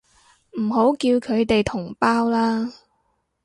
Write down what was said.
唔好叫佢哋同胞啦